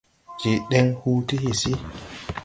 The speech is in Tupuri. Je deŋ huu ti hisi.